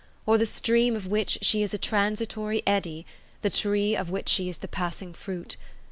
or the stream of which she is a transitory eddy, the tree of which she is the passing fruit?